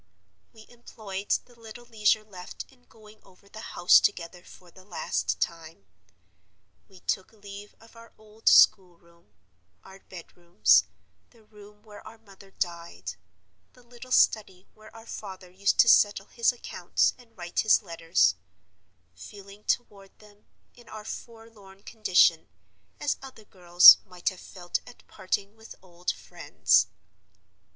We employed the little leisure left in going over the house together for the last time. We took leave of our old schoolroom, our bedrooms, the room where our mother died, the little study where our father used to settle his accounts and write his letters—feeling toward them, in our forlorn condition, as other girls might have felt at parting with old friends.